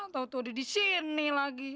tau tau ada disini lagi